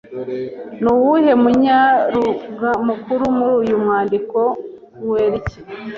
Ni uwuhe munyaruuga mukuru muri uyu mwandiko Kuera iki